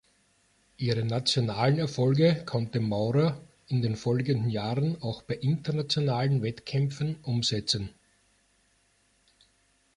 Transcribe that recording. Ihre nationalen Erfolge konnte Maurer in den folgenden Jahren auch bei internationalen Wettkämpfen umsetzten.